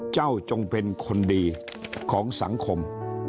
จงเป็นคนดีของสังคม